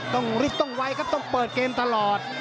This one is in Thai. ต้องรีบต้องไว้ครับต้องเปิดเกมตลอด